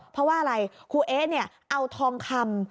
เพราะว่าอะไรครูเอ๊ะเนี่ยเอาทองคำ